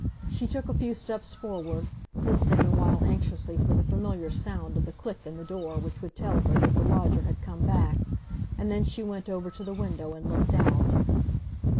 She took a few steps forward, listening the while anxiously for the familiar sound of the click in the door which would tell her that the lodger had come back, and then she went over to the window and looked out.